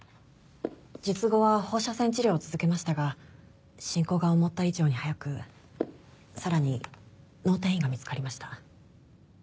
術後は放射線治療を続けましたが進行が思った以上に早くさらに脳転移が見つかりました。